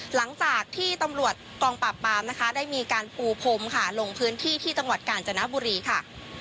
หลังจากที่ตำรวจกองปราบปามนะคะได้มีการปูพรมค่ะลงพื้นที่ที่จังหวัดกาญจนบุรีค่ะ